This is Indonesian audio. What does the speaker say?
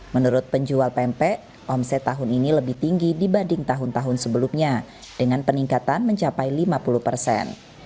menurut penjual pempek omset tahun ini lebih tinggi dibanding tahun tahun sebelumnya dengan peningkatan mencapai lima puluh persen